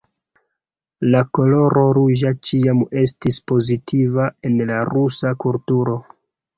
La koloro ruĝa ĉiam estis pozitiva en la rusa kulturo.